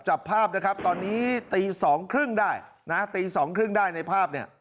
จับภาพนะครับตอนนี้ตีสองครึ่งได้นะตีสองครึ่งได้ในภาพเนี่ย